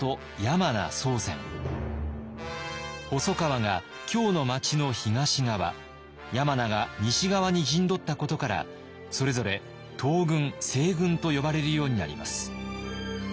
細川が京の街の東側山名が西側に陣取ったことからそれぞれ「東軍」「西軍」と呼ばれるようになります。